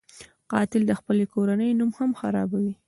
قاتل د خپلې کورنۍ نوم هم خرابوي